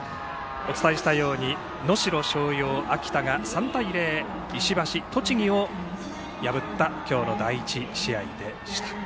お伝えしたように能代松陽・秋田が３対０で栃木の石橋を破った今日の第１試合でした。